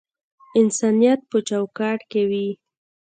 انسانیت په چوکاټ کښی وی